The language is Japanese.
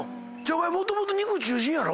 お前もともと肉中心やろ？